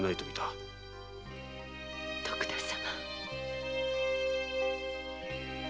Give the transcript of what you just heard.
徳田様。